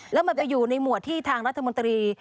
แล้วมันจะอยู่ในหมวดที่ทางรัฐมนตรี